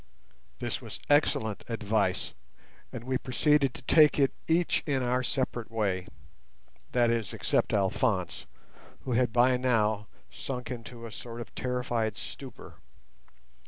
This was excellent advice, and we proceeded to take it each in our separate way—that is, except Alphonse, who had by now sunk into a sort of terrified stupor.